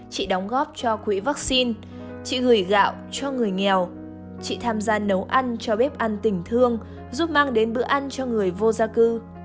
chị đóng góp cho quỹ vaccine chị gửi gạo cho người nghèo chị tham gia nấu ăn cho bếp ăn tình thương giúp mang đến bữa ăn cho người vô gia cư